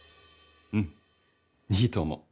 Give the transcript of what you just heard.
うんいいと思う。